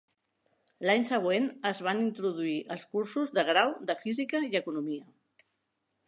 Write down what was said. L'any següent es van introduir els cursos de grau de Física i Economia.